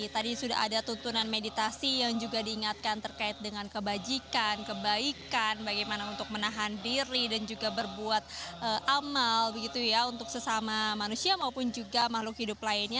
tadi sudah ada tuntunan meditasi yang juga diingatkan terkait dengan kebajikan kebaikan bagaimana untuk menahan diri dan juga berbuat amal begitu ya untuk sesama manusia maupun juga makhluk hidup lainnya